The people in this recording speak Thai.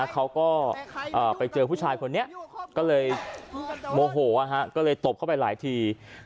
เขาก็ไปเจอผู้ชายคนนี้ก็เลยโมโหก็เลยตบเข้าไปหลายที